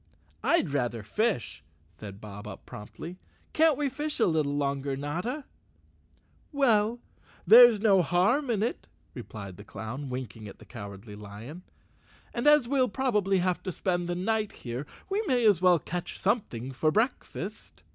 "I'd rather fish," said Bob Up promptly. " Can't we fish a little longer, Notta?" "Well, there's no harm in it," replied the clown, winking at the Cowardly Lion, "and as we'll probably have to spend the night here we may as well catch something for breakfast."